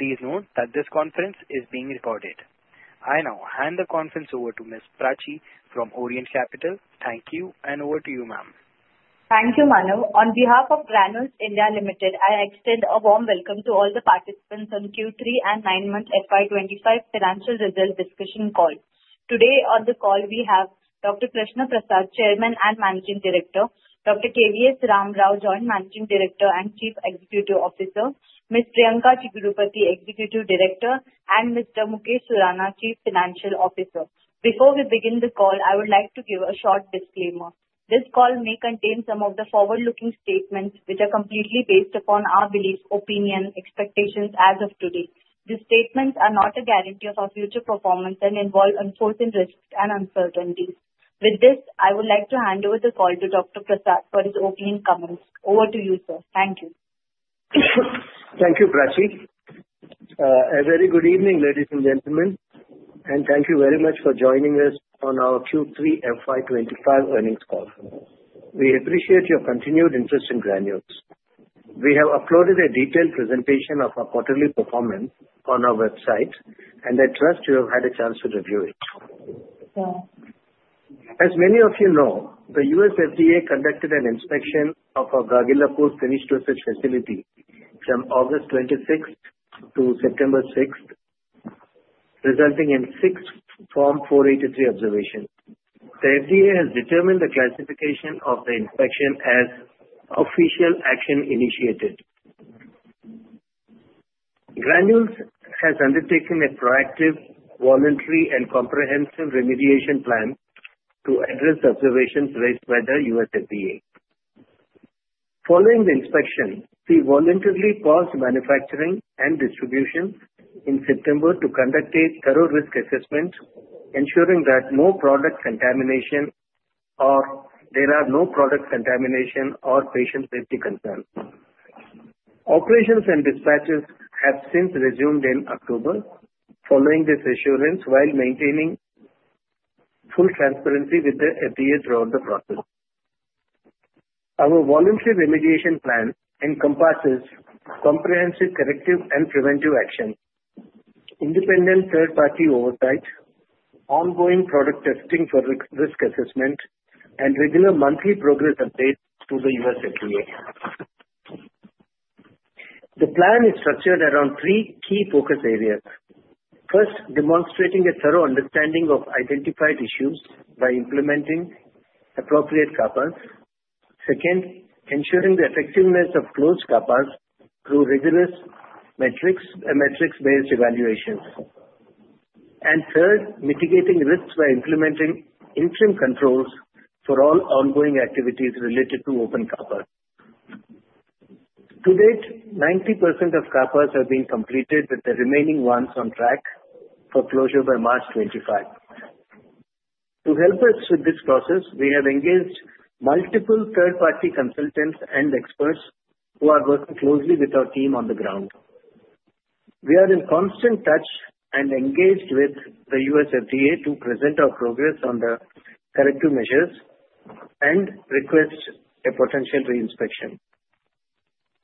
Please note that this conference is being recorded. I now hand the conference over to Ms. Prachi from Orient Capital. Thank you, and over to you, ma'am. Thank you, Manu. On behalf of Granules India Limited, I extend a warm welcome to all the participants on Q3 and nine-month FY 2025 financial result discussion call. Today on the call, we have Dr. Krishna Prasad, Chairman and Managing Director; Dr. KVS Ramrao, Joint Managing Director and Chief Executive Officer; Ms. Priyanka Chigurupati, Executive Director; and Mr. Mukesh Surana, Chief Financial Officer. Before we begin the call, I would like to give a short disclaimer. This call may contain some of the forward-looking statements which are completely based upon our beliefs, opinions, and expectations as of today. These statements are not a guarantee of our future performance and involve unforeseen risks and uncertainties. With this, I would like to hand over the call to Dr. Prasad for his opening comments. Over to you, sir. Thank you. Thank you, Prachi. A very good evening, ladies and gentlemen, and thank you very much for joining us on our Q3 FY 2025 earnings call. We appreciate your continued interest in Granules. We have uploaded a detailed presentation of our quarterly performance on our website, and I trust you have had a chance to review it. As many of you know, the U.S. FDA conducted an inspection of our Gagillapur facility from August 26th to September 6th, resulting in six Form 483 observations. The FDA has determined the classification of the inspection as official action indicated. Granules has undertaken a proactive, voluntary, and comprehensive remediation plan to address observations raised by the U.S. FDA. Following the inspection, we voluntarily paused manufacturing and distribution in September to conduct a thorough risk assessment, ensuring that no product contamination or patient safety concerns. Operations and dispatches have since resumed in October following this assurance while maintaining full transparency with the FDA throughout the process. Our voluntary remediation plan encompasses comprehensive corrective and preventive action, independent third-party oversight, ongoing product testing for risk assessment, and regular monthly progress updates to the U.S. FDA. The plan is structured around three key focus areas. First, demonstrating a thorough understanding of identified issues by implementing appropriate CAPAs. Second, ensuring the effectiveness of closed CAPAs through rigorous metrics-based evaluations. And third, mitigating risks by implementing interim controls for all ongoing activities related to open CAPAs. To date, 90% of CAPAs have been completed, with the remaining ones on track for closure by March 25. To help us with this process, we have engaged multiple third-party consultants and experts who are working closely with our team on the ground. We are in constant touch and engaged with the U.S. FDA to present our progress on the corrective measures and request a potential reinspection.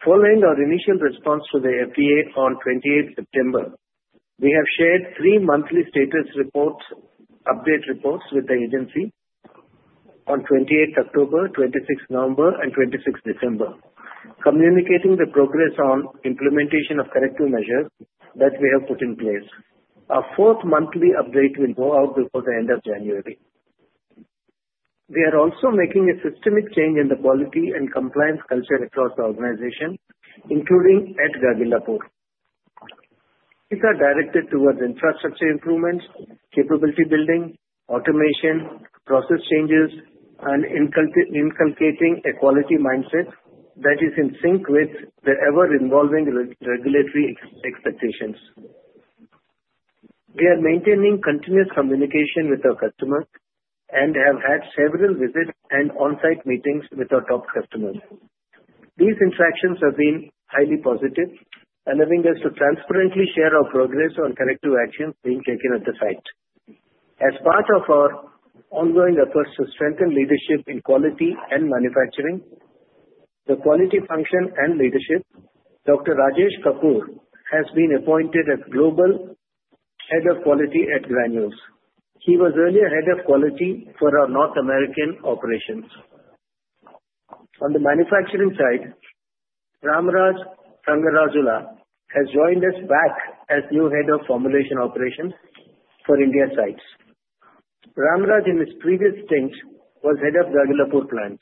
Following our initial response to the FDA on 28 September, we have shared three monthly status update reports with the agency on 28 October, 26 November, and 26 December, communicating the progress on implementation of corrective measures that we have put in place. Our fourth monthly update will go out before the end of January. We are also making a systemic change in the quality and compliance culture across the organization, including at Gagillapur. These are directed towards infrastructure improvements, capability building, automation, process changes, and inculcating a quality mindset that is in sync with the ever-evolving regulatory expectations. We are maintaining continuous communication with our customers and have had several visits and on-site meetings with our top customers. These interactions have been highly positive, allowing us to transparently share our progress on corrective actions being taken at the site. As part of our ongoing efforts to strengthen leadership in quality and manufacturing, the quality function and leadership, Dr. Rajesh Kapoor has been appointed as Global Head of Quality at Granules. He was earlier Head of Quality for our North American operations. On the manufacturing side, Ramraj Rangarajalu has joined us back as new Head of Formulation Operations for India sites. Ramraj, in his previous stint, was Head of Gagillapur plant.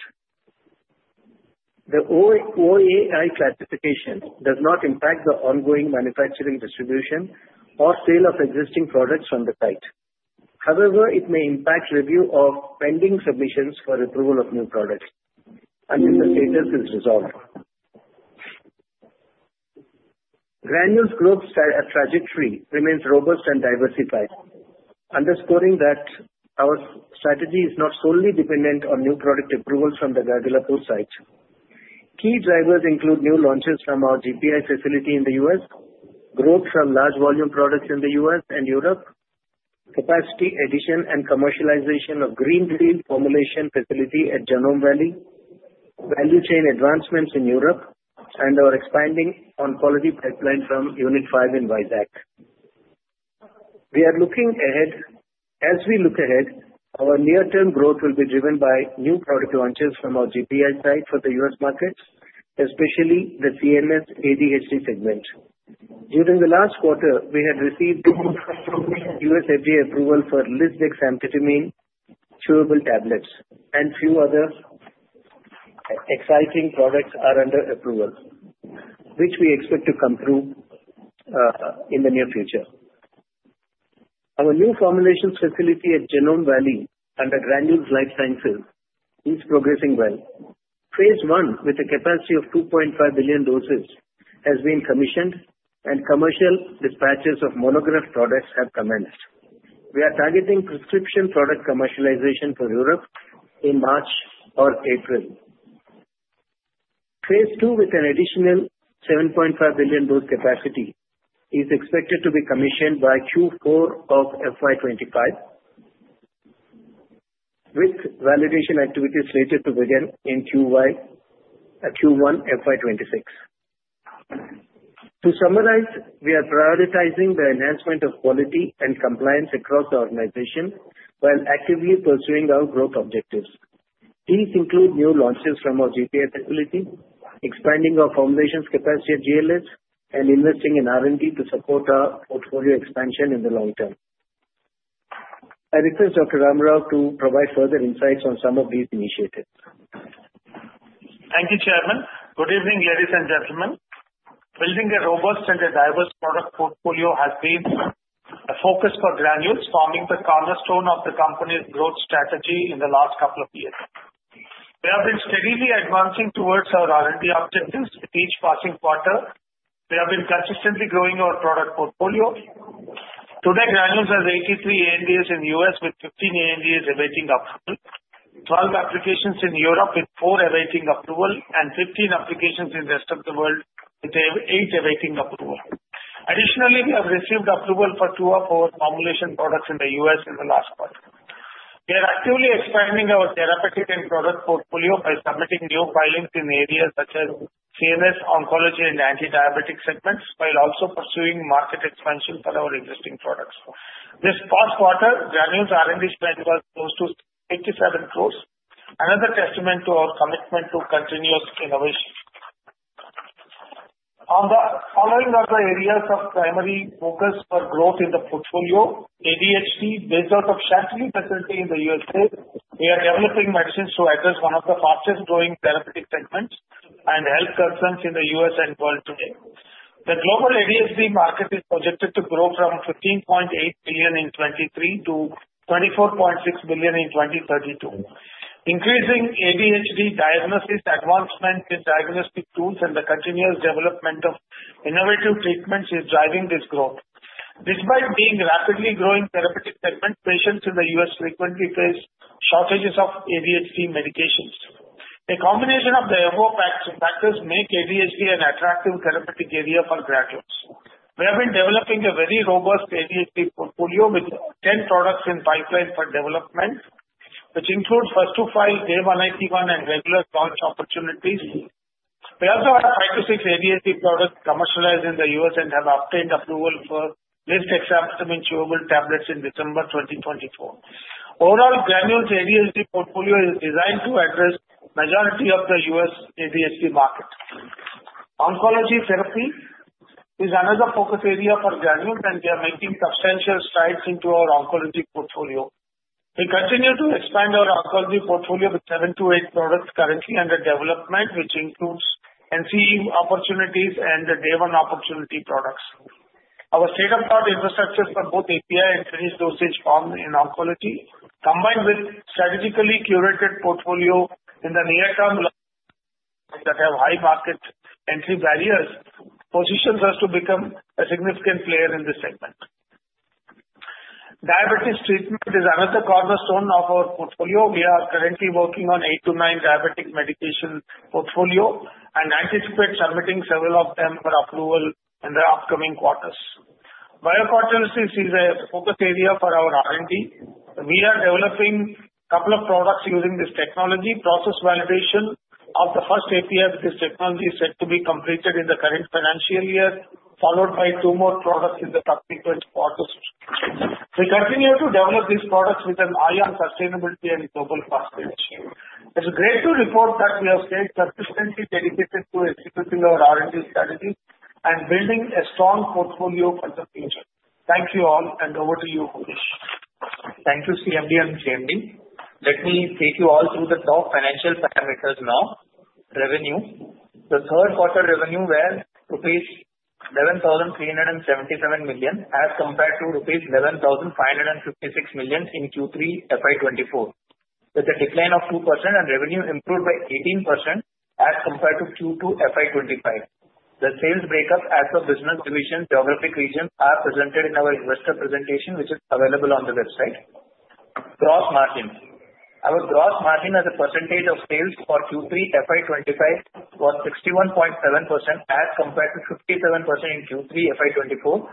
The OAI classification does not impact the ongoing manufacturing, distribution, or sale of existing products from the site. However, it may impact review of pending submissions for approval of new products until the status is resolved. Granules Group's trajectory remains robust and diversified, underscoring that our strategy is not solely dependent on new product approvals from the Gagillapur sites. Key drivers include new launches from our GPI facility in the U.S., growth from large volume products in the U.S. and Europe, capacity addition and commercialization of greenfield formulation facility at Genome Valley, value chain advancements in Europe, and our expanding oncology pipeline from Unit 5 in Vizag. As we look ahead, our near-term growth will be driven by new product launches from our GPI site for the U.S. markets, especially the CNS ADHD segment. During the last quarter, we had received U.S. FDA approval for Lisdexamfetamine chewable tablets, and a few other exciting products are under approval, which we expect to come through in the near future. Our new formulation facility at Genome Valley under Granules Life Sciences is progressing well. Phase I, with a capacity of 2.5 billion doses, has been commissioned, and commercial dispatches of monograph products have commenced. We are targeting prescription product commercialization for Europe in March or April. Phase II, with an additional 7.5 billion dose capacity, is expected to be commissioned by Q4 of FY 2025, with validation activities slated to begin in Q1 FY 2026. To summarize, we are prioritizing the enhancement of quality and compliance across the organization while actively pursuing our growth objectives. These include new launches from our GPI facility, expanding our formulations capacity at GLS, and investing in R&D to support our portfolio expansion in the long term. I request Dr. Ram Rao to provide further insights on some of these initiatives. Thank you, Chairman. Good evening, ladies and gentlemen. Building a robust and a diverse product portfolio has been a focus for Granules, forming the cornerstone of the company's growth strategy in the last couple of years. We have been steadily advancing towards our R&D objectives with each passing quarter. We have been consistently growing our product portfolio. Today, Granules has 83 ANDAs in the U.S., with 15 ANDAs awaiting approval, 12 applications in Europe with 4 awaiting approval, and 15 applications in the rest of the world with 8 awaiting approval. Additionally, we have received approval for 2 of our formulation products in the U.S. in the last quarter. We are actively expanding our therapeutic and product portfolio by submitting new filings in areas such as CNS, oncology, and anti-diabetic segments, while also pursuing market expansion for our existing products. This past quarter, Granules R&D spend was close to 87 crores, another testament to our commitment to continuous innovation. Following other areas of primary focus for growth in the portfolio, ADHD, based out of Chantilly, presently in the USA, we are developing medicines to address one of the fastest-growing therapeutic segments and health concerns in the U.S. and world today. The global ADHD market is projected to grow from $15.8 billion in 2023 to $24.6 billion in 2032. Increasing ADHD diagnosis advancements in diagnostic tools and the continuous development of innovative treatments is driving this growth. Despite being rapidly growing therapeutic segments, patients in the U.S. frequently face shortages of ADHD medications. A combination of the above factors makes ADHD an attractive therapeutic area for Granules. We have been developing a very robust ADHD portfolio with 10 products in pipeline for development, which includes first-to-file, Day 1, and regular launch opportunities. We also have five to six ADHD products commercialized in the U.S. and have obtained approval for Lisdexamfetamine chewable tablets in December 2024. Overall, Granules' ADHD portfolio is designed to address the majority of the U.S. ADHD market. Oncology therapy is another focus area for Granules, and we are making substantial strides into our oncology portfolio. We continue to expand our oncology portfolio with seven to eight products currently under development, which includes NCE opportunities and the Day 1 opportunity products. Our state-of-the-art infrastructure for both API and finished dosage form in oncology, combined with strategically curated portfolio in the near term that have high market entry barriers, positions us to become a significant player in this segment. Diabetes treatment is another cornerstone of our portfolio. We are currently working on eight to nine diabetic medication portfolio and anticipate submitting several of them for approval in the upcoming quarters. Biocatalysis is a focus area for our R&D. We are developing a couple of products using this technology. Process validation of the first API with this technology is set to be completed in the current financial year, followed by two more products in the subsequent quarters. We continue to develop these products with an eye on sustainability and global regulations. It's great to report that we have stayed consistently dedicated to executing our R&D strategy and building a strong portfolio for the future. Thank you all, and over to you, Mukesh. Thank you, CMD and JMD. Let me take you all through the top financial parameters now. Revenue, the third quarter revenue was rupees 11,377 million as compared to rupees 11,556 million in Q3 FY 2024, with a decline of 2% and revenue improved by 18% as compared to Q2 FY 2025. The sales breakup as per business division geographic region are presented in our investor presentation, which is available on the website. Gross margin, our gross margin as a percentage of sales for Q3 FY 2025 was 61.7% as compared to 57% in Q3 FY 2024.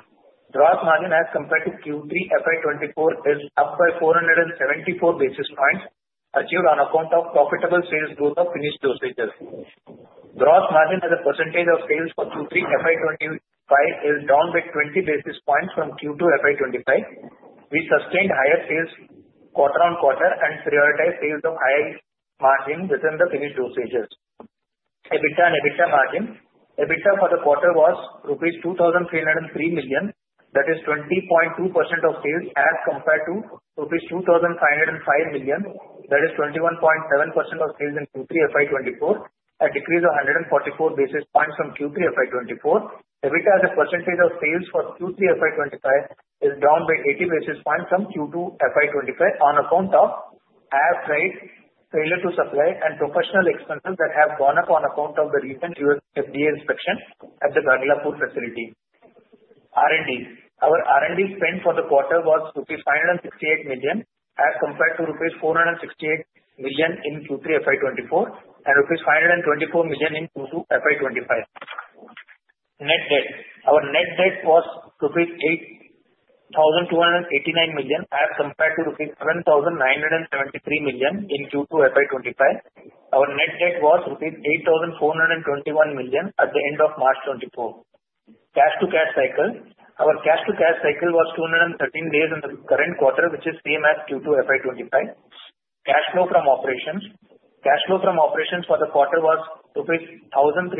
Gross margin as compared to Q3 FY 2024 is up by 474 basis points achieved on account of profitable sales growth of finished dosages. Gross margin as a percentage of sales for Q3 FY 2025 is down by 20 basis points from Q2 FY 2025. We sustained higher sales quarter on quarter and prioritized sales of high margin within the finished dosages. EBITDA and EBITDA margin, EBITDA for the quarter was rupees 2,303 million, that is 20.2% of sales as compared to rupees 2,505 million, that is 21.7% of sales in Q3 FY 2024, a decrease of 144 basis points from Q3 FY 2024. EBITDA as a percentage of sales for Q3 FY 2025 is down by 80 basis points from Q2 FY 2025 on account of airfreight, failure to supply, and professional expenses that have gone up on account of the recent US FDA inspection at the Gagillapur facility. R&D, our R&D spend for the quarter was rupees 568 million as compared to rupees 468 million in Q3 FY 2024 and rupees 524 million in Q2 FY 2025. Net debt, our net debt was rupees 8,289 million as compared to rupees 7,973 million in Q2 FY 2025. Our net debt was rupees 8,421 million at the end of March 2024. Cash to cash cycle. Our cash to cash cycle was 213 days in the current quarter, which is same as Q2 FY 2025. Cash flow from operations. Cash flow from operations for the quarter was rupees 1,315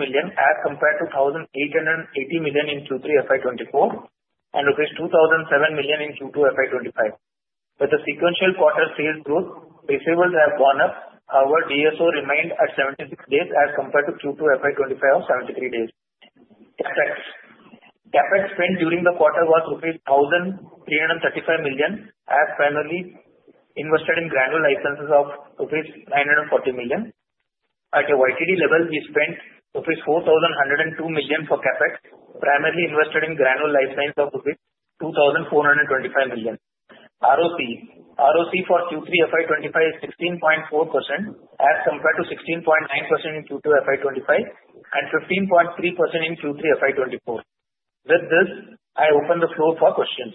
million as compared to 1,880 million in Q3 FY 2024 and rupees 2,007 million in Q2 FY 2025. With the sequential quarter sales growth, receivables have gone up. Our DSO remained at 76 days as compared to Q2 FY 2025 of 73 days. CapEx. CapEx spent during the quarter was rupees 1,335 million as primarily invested in Granules Life Sciences of rupees 940 million. At a YTD level, we spent rupees 4,102 million for CapEx, primarily invested in Granules Life Sciences of rupees 2,425 million. ROC. ROC for Q3 FY 2025 is 16.4% as compared to 16.9% in Q2 FY 2025 and 15.3% in Q3 FY 2024. With this, I open the floor for questions.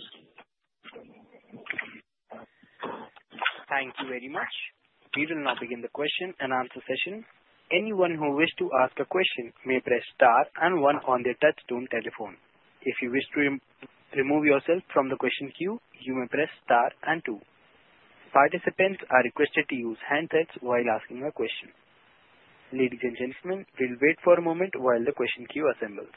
Thank you very much. We will now begin the question and answer session. Anyone who wishes to ask a question may press star and one on their touch-tone telephone. If you wish to remove yourself from the question queue, you may press star and two. Participants are requested to use handsets while asking a question. Ladies and gentlemen, we'll wait for a moment while the question queue assembles.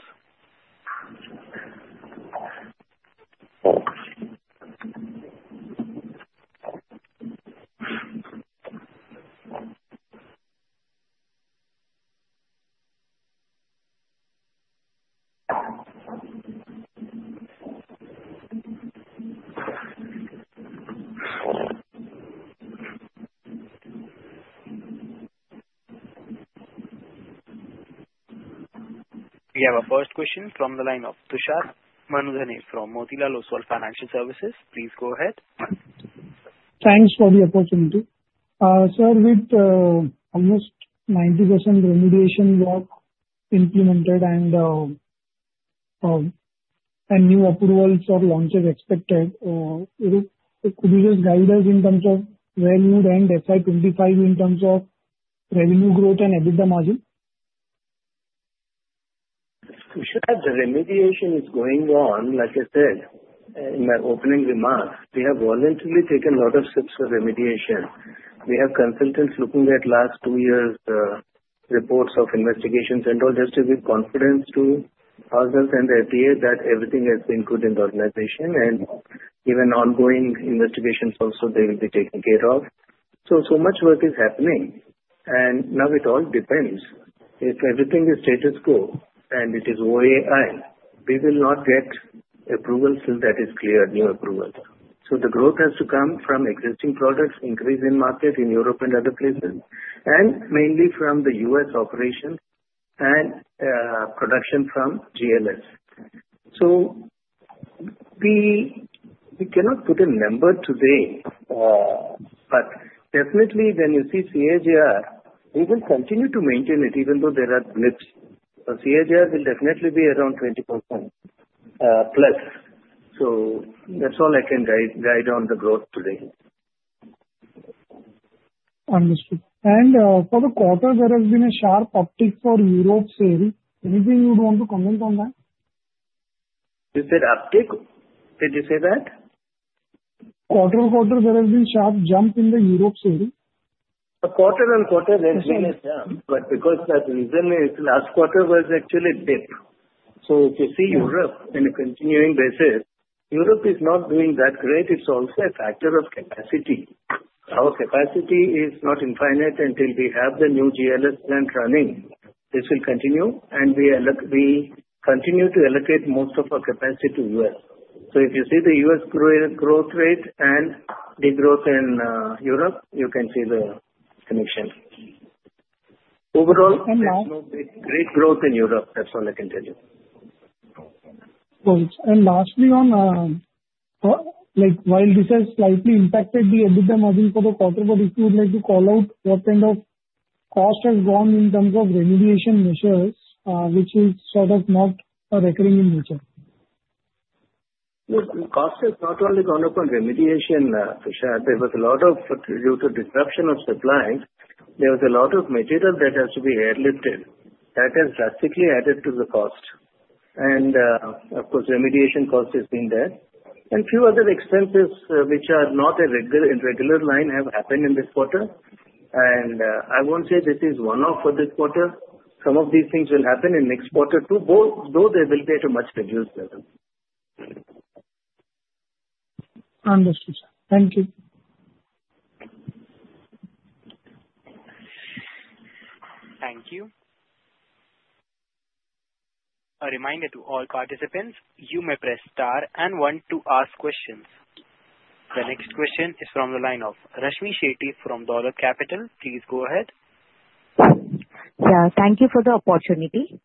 We have a first question from the line of Tushar Manudhane from Motilal Oswal Financial Services. Please go ahead. Thanks for the opportunity. Sir, with almost 90% remediation work implemented and new approvals for launches expected, could you just guide us in terms of Granules and FY 2025 in terms of revenue growth and EBITDA margin? Tushar, the remediation is going on, like I said in my opening remarks. We have voluntarily taken a lot of steps for remediation. We have consultants looking at last two years' reports of investigations and all just to give confidence to others and the FDA that everything has been good in the organization and even ongoing investigations also they will be taken care of. So much work is happening, and now it all depends. If everything is status quo and it is OAI, we will not get approvals till that is clear, new approvals. So the growth has to come from existing products, increase in market in Europe and other places, and mainly from the U.S. operations and production from GLS. So we cannot put a number today, but definitely when you see CAGR, we will continue to maintain it even though there are blips for CAGR, will definitely be around 20%+. So that's all I can guide on the growth today. Understood. And for the quarter, there has been a sharp uptick for Europe sales. Anything you'd want to comment on that? You said uptick? Did you say that? Quarter on quarter, there has been a sharp jump in the Europe sales. Quarter on quarter, there's been a jump, but because that reason is, last quarter was actually a dip. So if you see Europe on a continuing basis, Europe is not doing that great. It's also a factor of capacity. Our capacity is not infinite until we have the new GLS plant running. This will continue, and we continue to allocate most of our capacity to the U.S.. So if you see the U.S. growth rate and the growth in Europe, you can see the connection. Overall, there's no great growth in Europe. That's all I can tell you. Lastly, while this has slightly impacted the EBITDA margin for the quarter, but if you would like to call out what kind of cost has gone in terms of remediation measures, which is sort of not recurring in nature? Cost has not only gone up on remediation, Tushar. There was a lot of due to disruption of supply. There was a lot of material that has to be airlifted. That has drastically added to the cost, and of course, remediation cost has been there, and few other expenses which are not in regular line have happened in this quarter, and I won't say this is one-off for this quarter. Some of these things will happen in next quarter too, though they will be at a much reduced level. Understood. Thank you. Thank you. A reminder to all participants, you may press star and one to ask questions. The next question is from the line of Rashmi Shetty from Dolat Capital. Please go ahead. Yeah, thank you for the opportunity.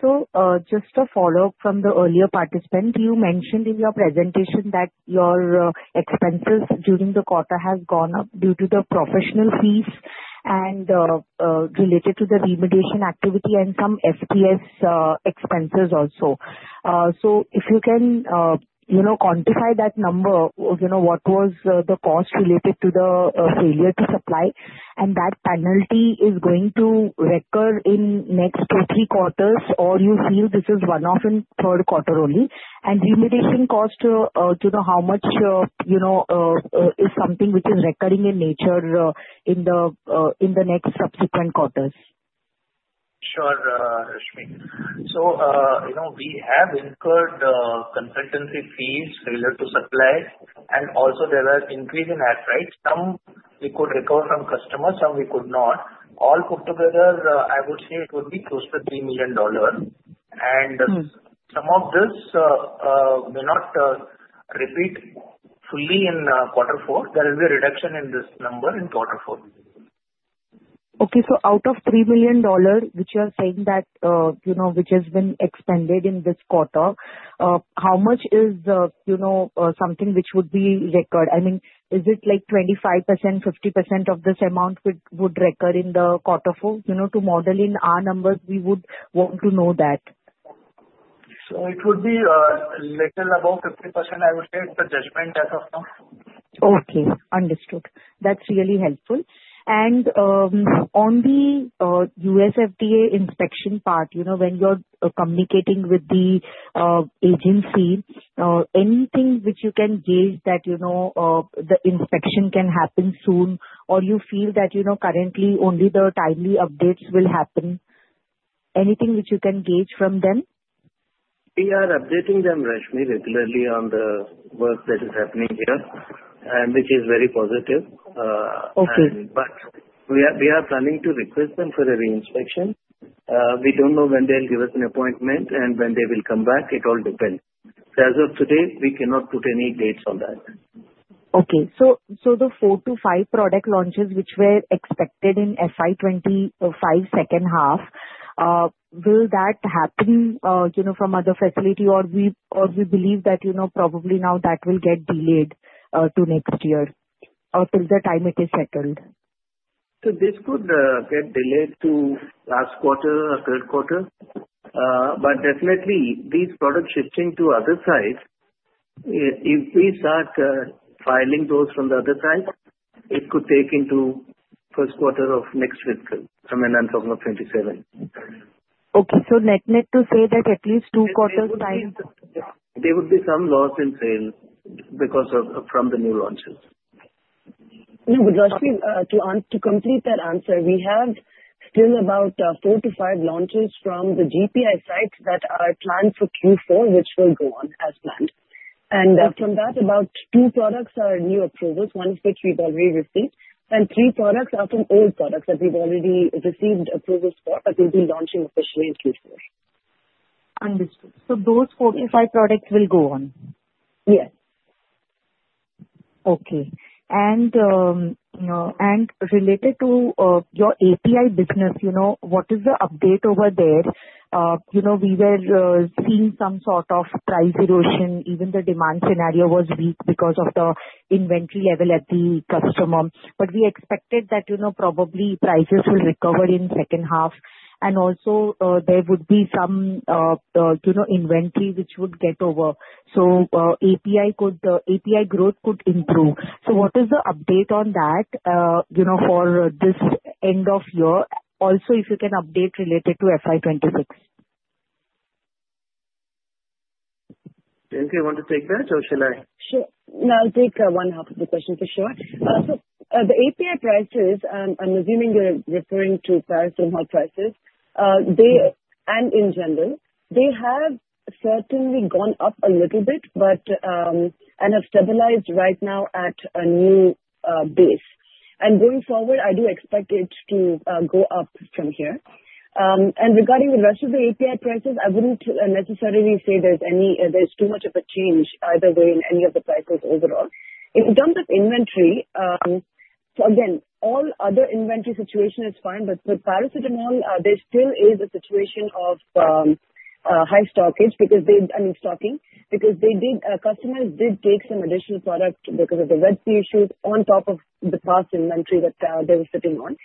So just a follow-up from the earlier participant. You mentioned in your presentation that your expenses during the quarter have gone up due to the professional fees and related to the remediation activity and some FTS expenses also. So if you can quantify that number, what was the cost related to the failure to supply? And that penalty is going to recur in next two to three quarters, or you feel this is one-off in third quarter only? And remediation cost, how much is something which is recurring in nature in the next subsequent quarters? Sure, Rashmi, so we have incurred consultancy fees failure to supply, and also there was increase in airfreight. Some we could recover from customers, some we could not. All put together, I would say it would be close to $3 million, and some of this may not repeat fully in quarter four. There will be a reduction in this number in quarter four. Okay. So out of $3 million, which you are saying that has been expended in this quarter, how much is something which would be recurred? I mean, is it like 25%, 50% of this amount would recur in the quarter four? To model in our numbers, we would want to know that. So it would be a little above 50%, I would say, it's a judgment as of now. Okay. Understood. That's really helpful. And on the U.S. FDA inspection part, when you're communicating with the agency, anything which you can gauge that the inspection can happen soon, or you feel that currently only the timely updates will happen? Anything which you can gauge from them? We are updating them, Rashmi, regularly on the work that is happening here, which is very positive. But we are planning to request them for a reinspection. We don't know when they'll give us an appointment and when they will come back. It all depends. So as of today, we cannot put any dates on that. Okay. So the four to five product launches which were expected in FY 2025 second half, will that happen from other facility, or we believe that probably now that will get delayed to next year or till the time it is settled? So this could get delayed to last quarter or third quarter. But definitely, these products shifting to other sites, if we start filing those from the other site, it could take into first quarter of next fiscal. I mean, I'm talking of 2027. Okay, so net-net to say that at least two quarters time. There would be some loss in sales because of the new launches. No, but Rashmi, to complete that answer, we have still about four to five launches from the GPI sites that are planned for Q4, which will go on as planned. And from that, about two products are new approvals, one of which we've already received, and three products are from old products that we've already received approvals for, but we'll be launching officially in Q4. Understood. So those four to five products will go on? Yes. Okay. And related to your API business, what is the update over there? We were seeing some sort of price erosion. Even the demand scenario was weak because of the inventory level at the customer. But we expected that probably prices will recover in second half. And also, there would be some inventory which would get over. So API growth could improve. So what is the update on that for this end of year? Also, if you can update related to FY 2026? Do you want to take that, or shall I? Sure. No, I'll take one half of the question for sure. So the API prices, I'm assuming you're referring to paracetamol prices, and in general, they have certainly gone up a little bit and have stabilized right now at a new base. And going forward, I do expect it to go up from here. And regarding the rest of the API prices, I wouldn't necessarily say there's too much of a change either way in any of the prices overall. In terms of inventory, so again, all other inventory situation is fine, but with paracetamol, there still is a situation of high stocking because, I mean, stocking because customers did take some additional product because of the Red Sea issues on top of the past inventory that they were sitting on.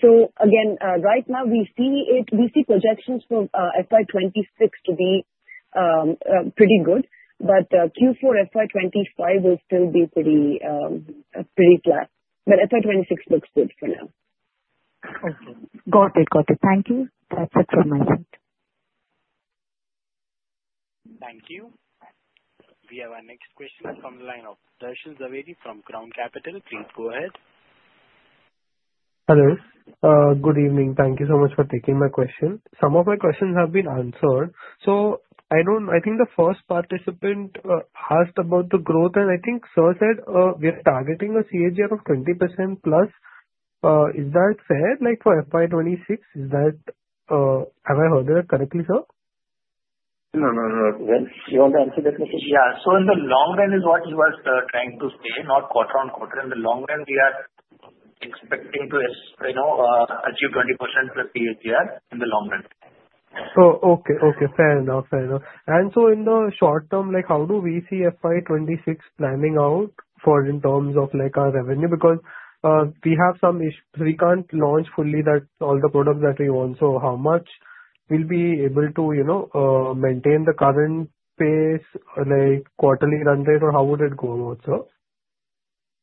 So again, right now, we see projections for FY 2026 to be pretty good, but Q4 FY 2025 will still be pretty flat. But FY 2026 looks good for now. Okay. Got it. Got it. Thank you. That's it from my side. Thank you. We have our next question from the line of Darshan Jhaveri from Crown Capital. Please go ahead. Hello. Good evening. Thank you so much for taking my question. Some of my questions have been answered. So I think the first participant asked about the growth, and I think sir said we are targeting a CAGR of 20%+. Is that fair for FY 2026? Have I heard that correctly, sir? No, no, no. You want to answer that, Mukesh? Yeah. So in the long run, is what he was trying to say, not quarter-on-quarter. In the long run, we are expecting to achieve 20%+ CAGR in the long run. Oh, okay. Okay. Fair enough. Fair enough. And so in the short term, how do we see FY 2026 planning out in terms of our revenue? Because we have some issues. We can't launch fully all the products that we want. So how much will be able to maintain the current pace, quarterly run rate, or how would it go about, sir?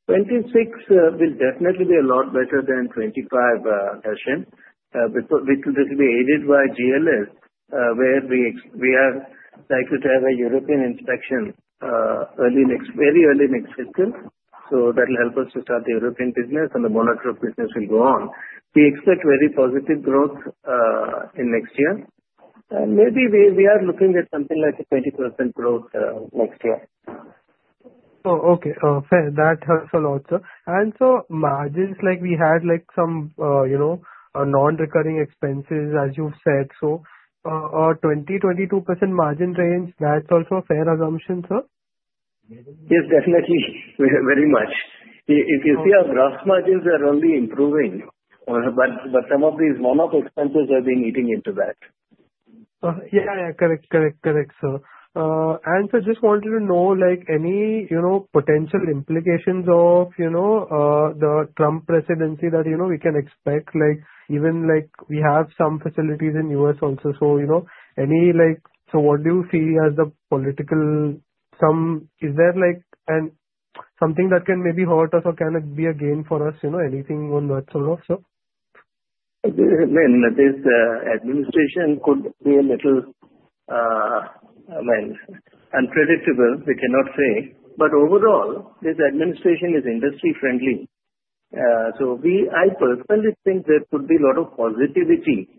2026 will definitely be a lot better than 2025, Darshan. This will be aided by GLS, where we are likely to have a European inspection very early next fiscal. So that will help us to start the European business, and the momentum of business will go on. We expect very positive growth in next year. Maybe we are looking at something like a 20% growth next year. Oh, okay. Fair. That helps a lot, sir. And so margins, we had some non-recurring expenses, as you've said. So a 20%-22% margin range, that's also a fair assumption, sir? Yes, definitely. Very much. You see, our gross margins are only improving, but some of these one-off expenses have been eating into that. Yeah, yeah. Correct. Correct. Correct, sir. And so just wanted to know any potential implications of the Trump presidency that we can expect. Even we have some facilities in the U.S. also. So any so what do you see as the political? Is there something that can maybe hurt us or can be a gain for us? Anything on that sort of, sir? I mean, this administration could be a little, I mean, unpredictable. We cannot say. But overall, this administration is industry-friendly. So I personally think there could be a lot of positivity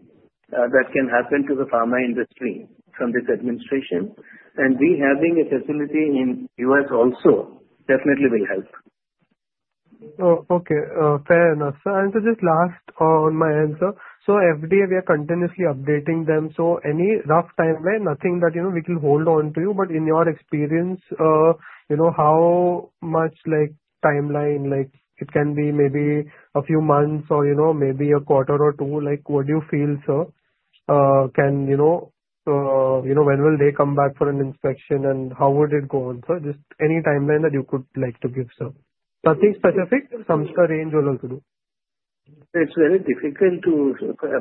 that can happen to the pharma industry from this administration. And we having a facility in the U.S. also definitely will help. Oh, okay. Fair enough, sir. And so just last on my end, sir. So every day, we are continuously updating them. So any rough timeline, nothing that we can hold on to you, but in your experience, how much timeline? It can be maybe a few months or maybe a quarter or two. What do you feel, sir? And when will they come back for an inspection, and how would it go on, sir? Just any timeline that you could like to give, sir. Nothing specific? will also do. It's very difficult to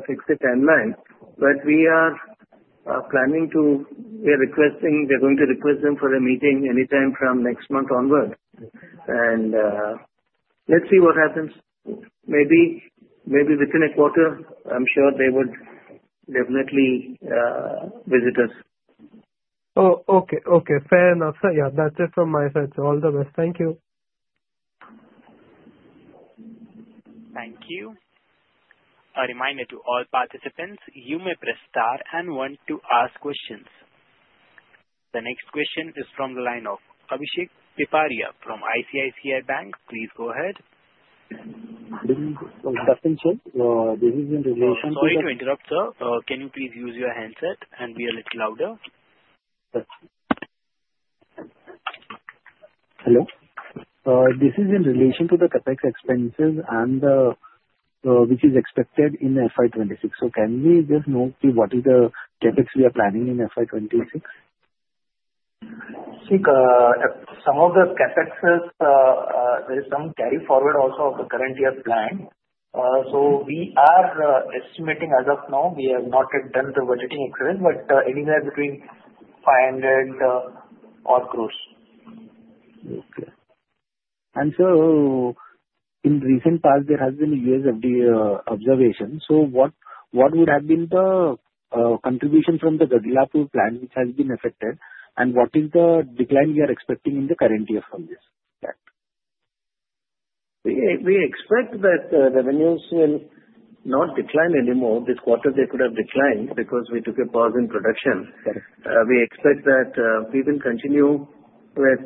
fix a timeline, but we are going to request them for a meeting anytime from next month onward. Let's see what happens. Maybe within a quarter, I'm sure they would definitely visit us. Oh, okay. Okay. Fair enough, sir. Yeah, that's it from my side, sir. All the best. Thank you. Thank you. A reminder to all participants, you may press star and one to ask questions. The next question is from the line of Abhishek Pipara from ICICI Bank. Please go ahead. This is in relation to the. Sorry to interrupt, sir. Can you please use your handset and be a little louder? Hello. This is in relation to the CapEx expenses and which is expected in FY 2026. So can we just know what is the CapEx we are planning in FY 2026? See, some of the CapExes, there is some carry forward also of the current year plan. So we are estimating as of now, we have not yet done the budgeting exercise, but anywhere between 500 or 600. Okay. And so, in the recent past, there has been a year's observation. So, what would have been the contribution from the Gagillapur plant which has been affected, and what is the decline we are expecting in the current year from this? We expect that revenues will not decline anymore. This quarter, they could have declined because we took a pause in production. We expect that we will continue with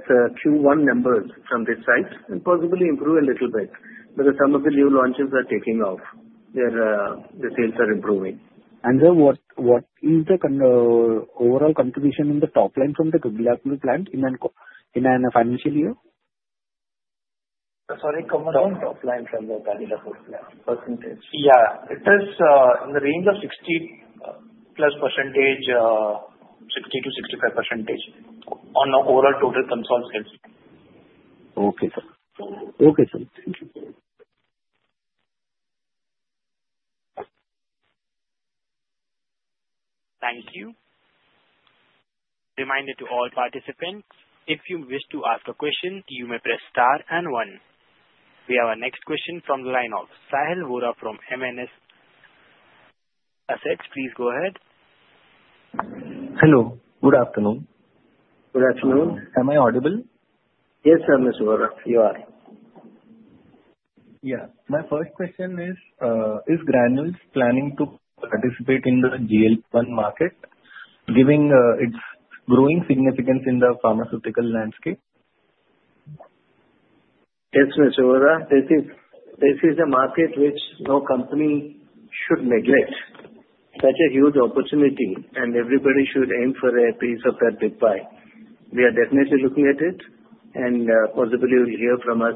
Q1 numbers from this side and possibly improve a little bit because some of the new launches are taking off. The sales are improving. Sir, what is the overall contribution in the top line from the Gagillapur plant in a financial year? Sorry? Come on. Top line from the Gagillapur plant. Percentage. Yeah. It is in the range of 60%+, 60%-65% on overall total consolidation. Okay, sir. Okay, sir. Thank you. Thank you. Reminder to all participants, if you wish to ask a question, you may press star and one. We have our next question from the line of Sahil Vora from MNS Assets. Please go ahead. Hello. Good afternoon. Good afternoon. Am I audible? Yes, sir, Mr. Vora. You are. Yeah. My first question is, is Granules planning to participate in the GLP-1 market, given its growing significance in the pharmaceutical landscape? Yes, Mr. Vora. This is a market which no company should neglect. Such a huge opportunity, and everybody should aim for a piece of that big pie. We are definitely looking at it, and possibly you'll hear from us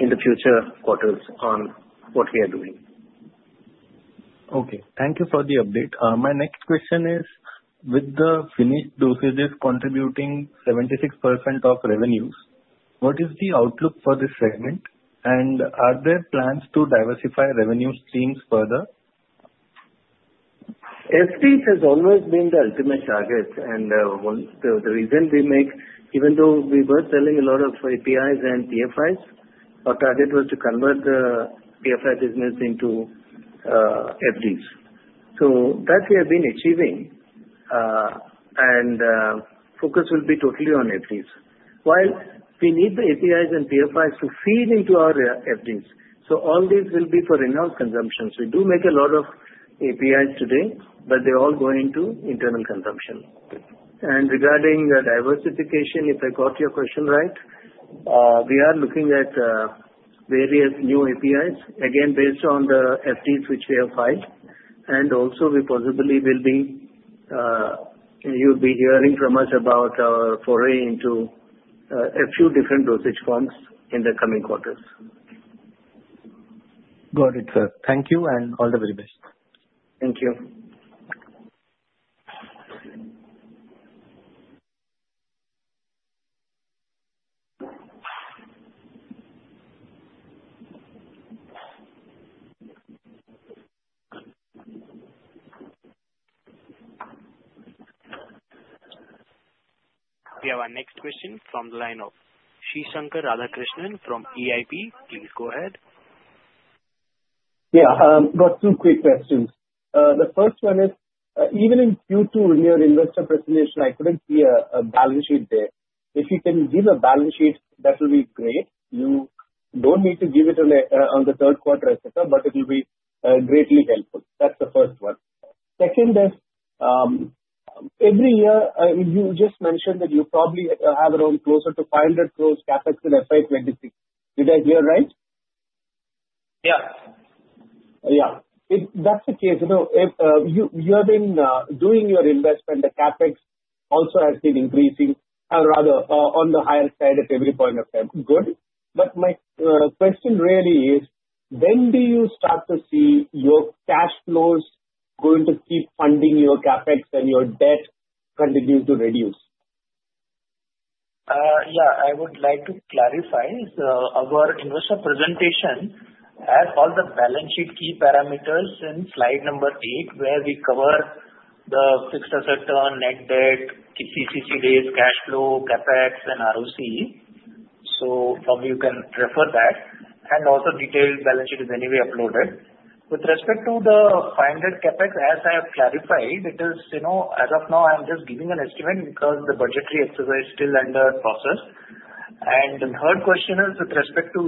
in the future quarters on what we are doing. Okay. Thank you for the update. My next question is, with the finished dosages contributing 76% of revenues, what is the outlook for this segment, and are there plans to diversify revenue streams further? FDs has always been the ultimate target, and the reason we make, even though we were selling a lot of APIs and PFIs, our target was to convert the PFI business into FDs, so that we have been achieving, and focus will be totally on FDs. While we need the APIs and PFIs to feed into our FDs, so all these will be for in-house consumption. We do make a lot of APIs today, but they're all going to internal consumption, and regarding diversification, if I got your question right, we are looking at various new APIs, again, based on the FDs which we have filed. And also, we possibly will be you'll be hearing from us about our foray into a few different dosage forms in the coming quarters. Got it, sir. Thank you, and all the very best. Thank you. We have our next question from the line of from EIP. Please go ahead. Yeah. Got two quick questions. The first one is, even in Q2, near investor presentation, I couldn't see a balance sheet there. If you can give a balance sheet, that will be great. You don't need to give it on the third quarter, etc., but it will be greatly helpful. That's the first one. Second is, every year, you just mentioned that you probably have around closer to 500 gross CapEx in FY 2026. Did I hear right? Yeah. Yeah. That's the case. You have been doing your investment. The CapEx also has been increasing, or rather, on the higher side at every point of time. Good. But my question really is, when do you start to see your cash flows going to keep funding your CapEx and your debt continue to reduce? Yeah. I would like to clarify, so our investor presentation has all the balance sheet key parameters in Slide number 8, where we cover the fixed asset turn, net debt, CCC days, cash flow, CapEx, and ROC. So probably you can refer that. And also, detailed balance sheet is anyway uploaded. With respect to the 500 CapEx, as I have clarified, it is as of now. I'm just giving an estimate because the budgetary exercise is still under process. And the third question is, with respect to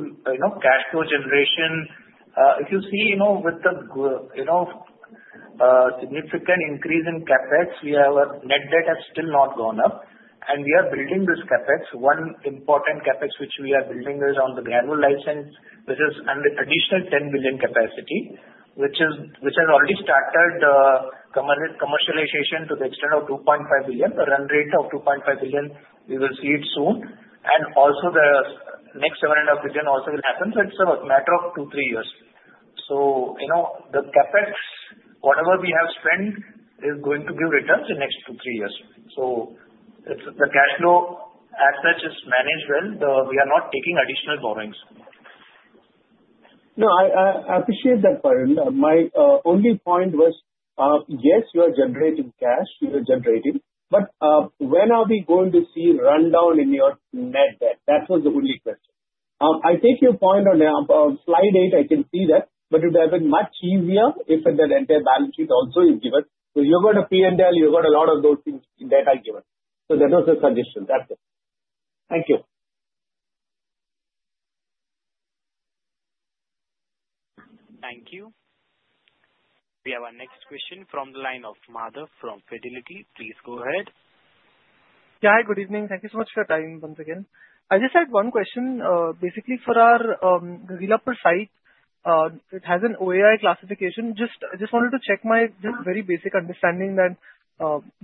cash flow generation, if you see with the significant increase in CapEx, we have net debt has still not gone up. And we are building this CapEx. One important CapEx which we are building is on the Granules Life Sciences, which is an additional 10 billion capacity, which has already started commercialization to the extent of 2.5 billion. The run rate of 2.5 billion, we will see it soon, and also, the next also will happen, so it's a matter of two, three years, so the CapEx, whatever we have spent, is going to give returns in the next two, three years, so the cash flow as such is managed well. We are not taking additional borrowings. No, I appreciate that point. My only point was, yes, you are generating cash. You are generating. But when are we going to see rundown in your net debt? That was the only question. I take your point on slide 8. I can see that. But it would have been much easier if the net debt balance sheet also is given. So you've got a P&L. You've got a lot of those things in debt are given. So that was the suggestion. That's it. Thank you. Thank you. We have our next question from the line of from Fidelity. Please go ahead. Yeah. Hi. Good evening. Thank you so much for your time once again. I just had one question. Basically, for our Gagillapur site, it has an OAI classification. I just wanted to check my very basic understanding that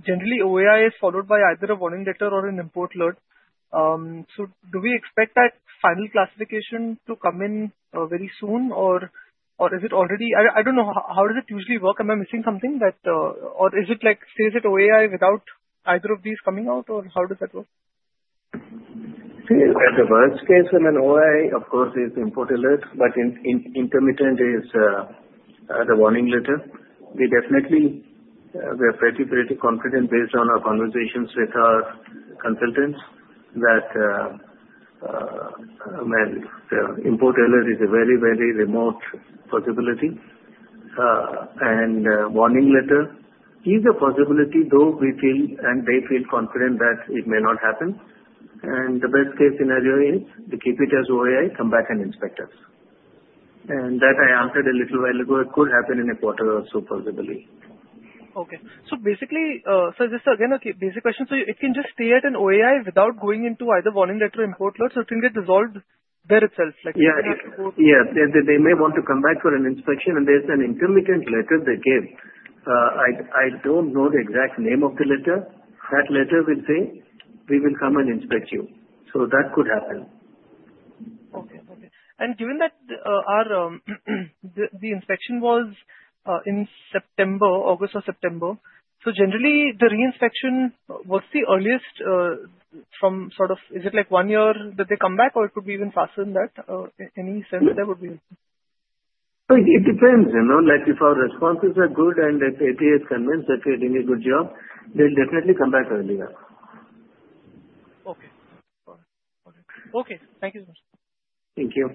generally, OAI is followed by either a warning letter or an import alert. So do we expect that final classification to come in very soon, or is it already? I don't know. How does it usually work? Am I missing something? Or is it stays at OAI without either of these coming out, or how does that work? In the worst case in an OAI, of course, is the import alert, but in the interim is the warning letter. We definitely were pretty, pretty confident based on our conversations with our consultants that the import alert is a very, very remote possibility. The warning letter is a possibility, though we feel and they feel confident that it may not happen. The best-case scenario is they keep it as OAI, come back and inspect us. That I answered a little while ago. It could happen in a quarter or so, possibly. Okay. So basically, so this is again a basic question. So it can just stay at an OAI without going into either warning letter or import alert. So it can get resolved there itself. Yeah. They may want to come back for an inspection, and there's an intermittent letter they give. I don't know the exact name of the letter. That letter will say, "We will come and inspect you." So that could happen. Okay. Okay. And given that the inspection was in September, August or September, so generally, the reinspection, what's the earliest from sort of is it like one year that they come back, or it could be even faster than that? Any sense that there would be? It depends. If our responses are good and if FDA is convinced that we are doing a good job, they'll definitely come back earlier. Okay. All right. Okay. Thank you so much. Thank you.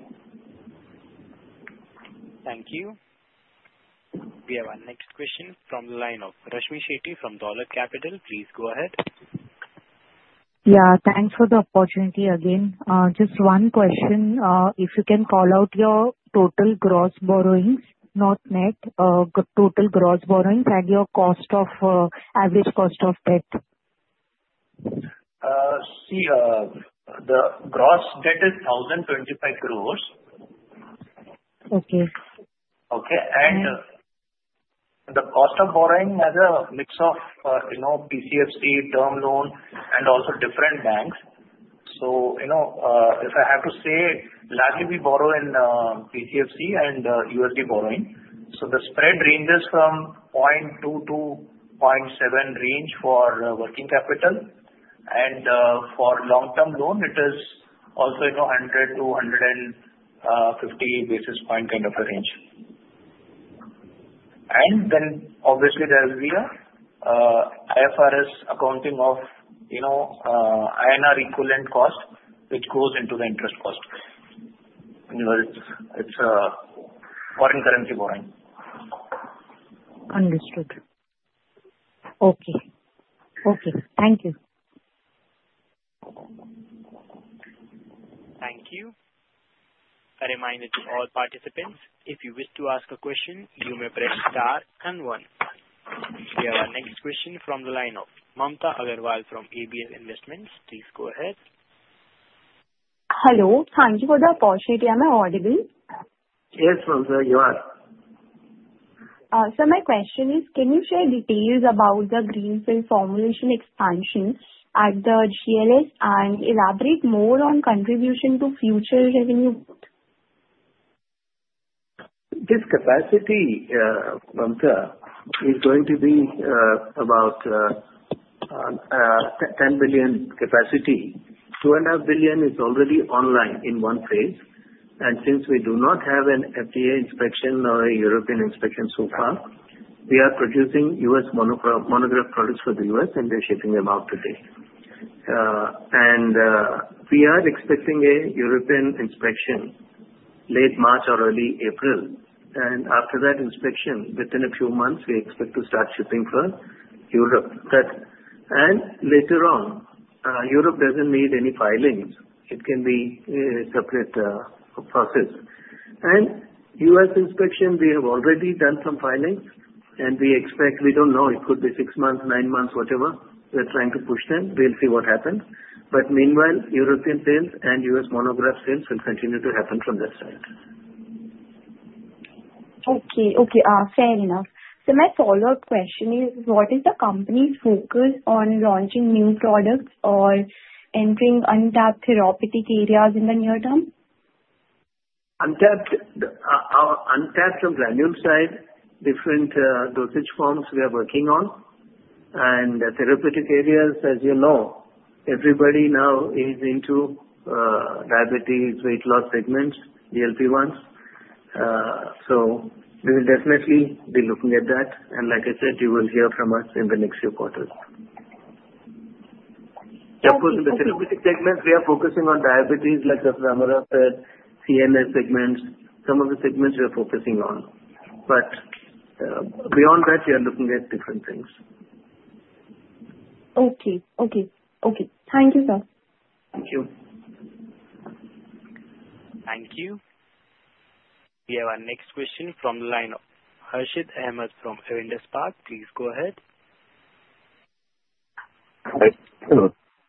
Thank you. We have our next question from the line of Rashmi Shetty from Dolat Capital. Please go ahead. Yeah. Thanks for the opportunity again. Just one question. If you can call out your total gross borrowings, not net, total gross borrowings and your average cost of debt. See, the gross debt is 1,025 crores. Okay. Okay. And the cost of borrowing has a mix of PCFC, term loan, and also different banks. So if I have to say, largely, we borrow in PCFC and USD borrowing. So the spread ranges from 0.2-0.7 range for working capital. And for long-term loan, it is also 100 basis point-150 basis point kind of a range. And then, obviously, there's via IFRS accounting of INR equivalent cost, which goes into the interest cost. It's foreign currency borrowing. Understood. Okay. Okay. Thank you. Thank you. A reminder to all participants, if you wish to ask a question, you may press star and one. We have our next question from the line of Mamta Agarwal from ABS Investments. Please go ahead. Hello. Thank you for the opportunity. Am I audible? Yes, Mamta. You are. So my question is, can you share details about the greenfield formulation expansion at the GLS and elaborate more on contribution to future revenue? This capacity, Mamta, is going to be about 10 billion capacity. 2.5 billion is already online in one phase, and since we do not have an FDA inspection or a European inspection so far, we are producing U.S. monograph products for the U.S., and we're shipping them out today, and we are expecting a European inspection late March or early April, and after that inspection, within a few months, we expect to start shipping for Europe, and later on, Europe doesn't need any filings, it can be a separate process, and U.S. inspection, we have already done some filings, and we expect we don't know, it could be six months, nine months, whatever. We're trying to push them. We'll see what happens, but meanwhile, European sales and U.S. monograph sales will continue to happen from that side. Okay. Okay. Fair enough. So my follow-up question is, what is the company's focus on launching new products or entering untapped therapeutic areas in the near term? Untapped on Granules side, different dosage forms we are working on. And therapeutic areas, as you know, everybody now is into diabetes, weight loss segments, GLP-1s. So we will definitely be looking at that. And like I said, you will hear from us in the next few quarters. Yeah. For therapeutic segments, we are focusing on diabetes, like Dr. Ram Rao said, CNS segments. Some of the segments we are focusing on. But beyond that, we are looking at different things. Okay. Thank you, sir. Thank you. Thank you. We have our next question from the line of Harith Ahamed from Avendus Spark. Please go ahead.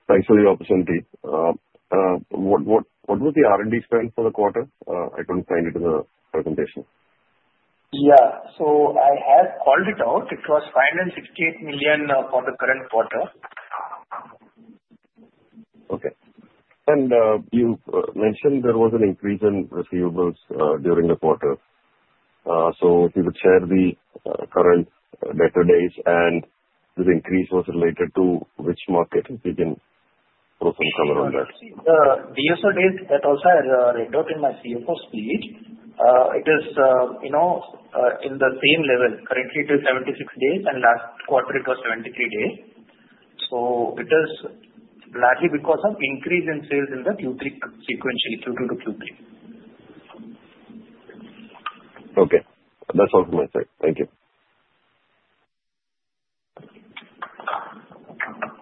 Thanks for the opportunity. What was the R&D spend for the quarter? I couldn't find it in the presentation. Yeah. So I had called it out. It was 568 million for the current quarter. Okay. You mentioned there was an increase in receivables during the quarter. So if you could share the current debtor days, and the increase was related to which market, if you can throw some color on that. in my CFO's page, it is in the same level. Currently, it is 76 days, and last quarter, it was 73 days. So it is largely because of increase in sales in the Q3 sequentially, Q2 to Q3. Okay. That's all from my side. Thank you.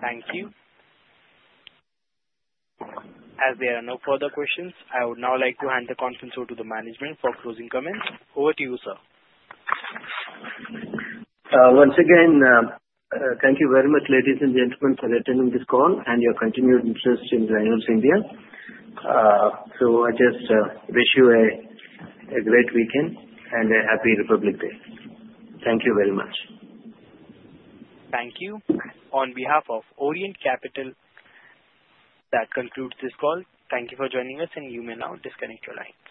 Thank you. As there are no further questions, I would now like to hand the conference over to the management for closing comments. Over to you, sir. Once again, thank you very much, ladies and gentlemen, for attending this call and your continued interest in Granules India. So I just wish you a great weekend and a happy Republic Day. Thank you very much. Thank you. On behalf of Orient Capital, that concludes this call. Thank you for joining us, and you may now disconnect your lines.